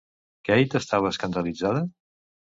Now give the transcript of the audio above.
La Kate estava escandalitzada?